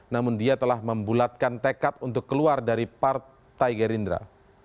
namun dia telah membulatkan tekad untuk keluar dari partai gerindra